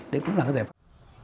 đấy cũng là giải pháp